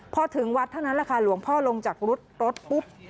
พอถึงวัดเท่านั้นแหละค่ะหลวงพ่อลงจากรถปุ๊บ